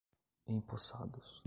empossados